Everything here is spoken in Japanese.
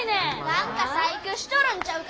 何か細工しとるんちゃうか？